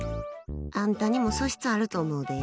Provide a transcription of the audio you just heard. あんたにも素質あると思うで。